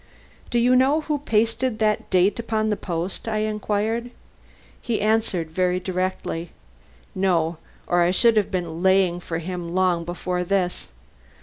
"Do you know who pasted that date upon the post?" I inquired. He answered very directly. "No, or I should have been laying for him long before this.